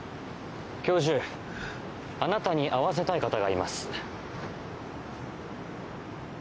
教授あなたに会わせたい方がいます。